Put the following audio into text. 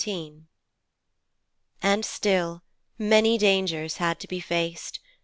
XVII And still many dangers had to be faced.